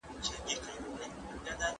زه پرون د کتابتون کتابونه ولوستل،